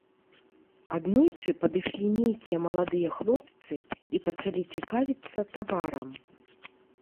Аднойчы падышлі нейкія маладыя хлопцы і пачалі цікавіцца таварам.